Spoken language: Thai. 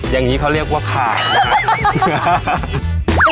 อย่างนี้เขาเรียกว่าขายนะ